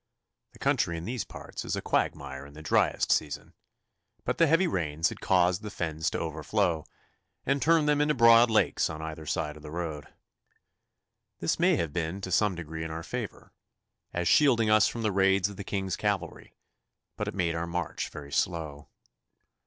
The country in these parts is a quagmire in the driest season, but the heavy rains had caused the fens to overflow, and turned them into broad lakes on either side of the road. This may have been to some degree in our favour, as shielding us from the raids of the King's cavalry, but it made our march very slow.